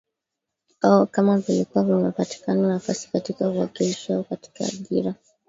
o kama vilikuwa vinapatikana nafasi katika uwakilishi au katika ajira